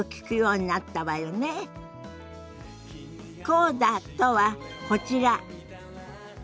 コーダとはこちら。